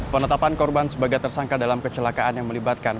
penetapan korban sebagai tersangka dalam kecelakaan yang melibatkan